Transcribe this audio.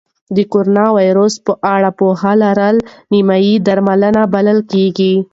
د کرونا ویروس په اړه پوهه لرل نیمه درملنه بلل کېږي.